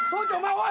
おい！